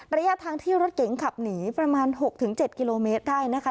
ระยะทางที่รถเก๋งขับหนีประมาณ๖๗กิโลเมตรได้นะคะ